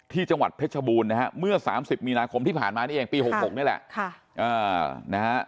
ที่จังหวัดเพชรบูรณ์นะฮะเมื่อ๓๐มีนาคมที่ผ่านมานี่เองปี๖๖นี่แหละนะฮะ